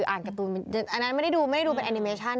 อ่านการ์ตูนอันนั้นไม่ได้ดูไม่ได้ดูเป็นแอนิเมชั่น